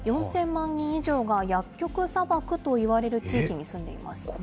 ４０００万人以上が薬局砂漠といわれる地域に住んでいます。